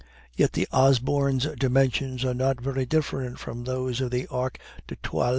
Yet the "Osborne's" dimensions are not very different from those of the Arc de l'Étoile.